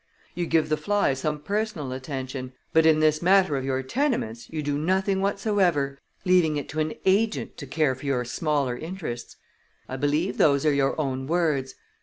You give the fly some personal attention, but in this matter of your tenements you do nothing whatsoever, leaving it to an agent to care for your smaller interests. I believe those are your own words.